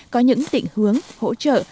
có những tịnh hướng hỗ trợ